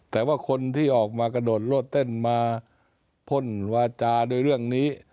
แต่ว่าคนที่ออกมากระโดดโลดเต้นมาพ่นวาจาด้วยเรื่องนี้